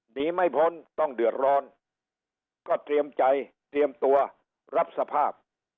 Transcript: หนีไม่พ้นต้องเดือดร้อนก็เตรียมใจเตรียมตัวรับสภาพ